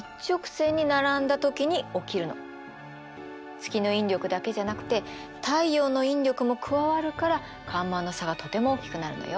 月の引力だけじゃなくて太陽の引力も加わるから干満の差がとても大きくなるのよ。